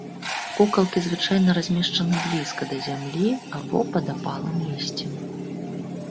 Кукалкі звычайна размешчаны блізка да зямлі або пад апалым лісцем.